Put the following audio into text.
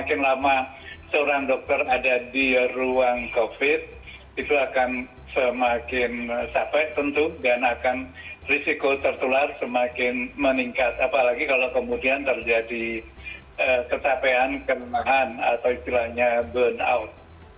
kalau seorang dokter ada di ruang covid itu akan semakin capek tentu dan akan risiko tertular semakin meningkat apalagi kalau kemudian terjadi kesapean kenahan atau istilahnya burn out